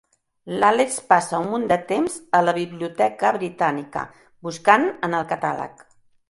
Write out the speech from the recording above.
L'Àlex passa un munt de temps a la Biblioteca Britànica, buscant en el catàleg.